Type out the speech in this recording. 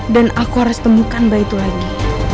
aku harus temukan bayi itu lagi